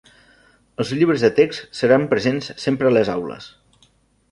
Els llibres de text seran presents sempre a les aules.